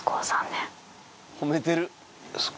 褒めてる。